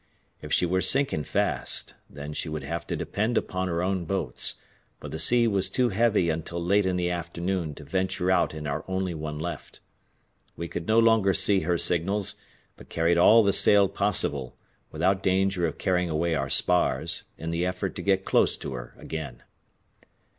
If she were sinking fast, then she would have to depend upon her own boats, for the sea was too heavy until late in the afternoon to venture out in our only one left. We could no longer see her signals, but carried all the sail possible, without danger of carrying away our spars, in the effort to get close to her again.